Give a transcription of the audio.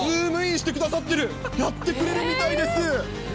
してくださってる、やってくれるみたいです。